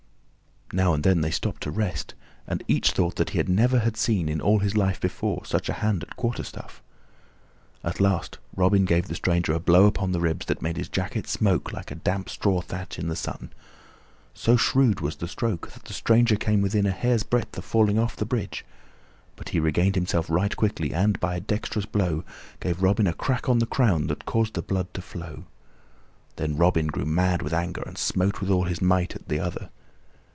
Now and then they stopped to rest, and each thought that he never had seen in all his life before such a hand at quarterstaff. At last Robin gave the stranger a blow upon the ribs that made his jacket smoke like a damp straw thatch in the sun. So shrewd was the stroke that the stranger came within a hair's breadth of falling off the bridge, but he regained himself right quickly and, by a dexterous blow, gave Robin a crack on the crown that caused the blood to flow. Then Robin grew mad with anger and smote with all his might at the other.